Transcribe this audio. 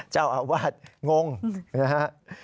เจ้าอาวาสงงนะครับ